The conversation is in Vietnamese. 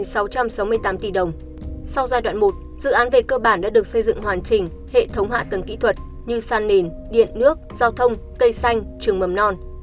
sau giai đoạn một dự án về cơ bản đã được xây dựng hoàn chỉnh hệ thống hạ tầng kỹ thuật như san nền điện nước giao thông cây xanh trường mầm non